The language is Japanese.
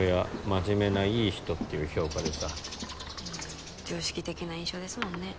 真面目ないい人っていう評価でさ常識的な印象ですもんね